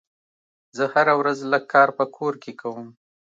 زه هره ورځ لږ کار په کور کې کوم.